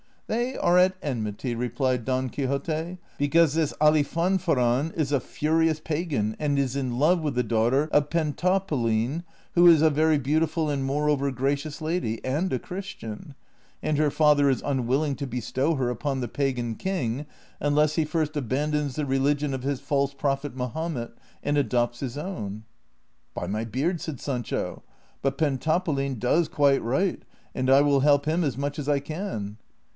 " They are at enmity," replied Don Quixote, " because this Alif anfaron is a furious pagan and is in love with the daughter of Pentapolin, who is a very beautiful and moreover gracious lady, and a Christian, and her father is unAvilling to bestow her upon the pagan king unless he first abandons the religion of his false prophet jNIahomet, and adopts his own." " By my beard," said Sancho, " but Pentapolin does qxiite right, and I will help him as much as I can."